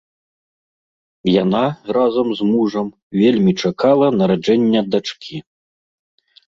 Яна разам з мужам вельмі чакала нараджэння дачкі.